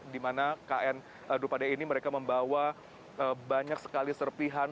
di mana kn durupadai ini mereka membawa banyak sekali serpihan